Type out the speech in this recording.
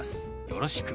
「よろしく」。